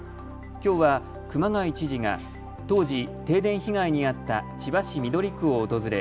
きょうは熊谷知事が当時、停電被害に遭った千葉市緑区を訪れ